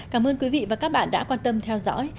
cảm ơn quý vị và các bạn đã quan tâm theo dõi